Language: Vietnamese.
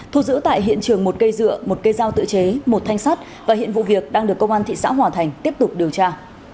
thu giữ tại hiện trường một cây dựa một cây dao tự chế một thanh sắt và hiện vụ việc đang được công an thị xã hòa thành tiếp tục điều tra